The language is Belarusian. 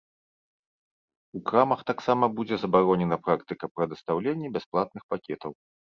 У крамах таксама будзе забаронена практыка прадастаўлення бясплатных пакетаў.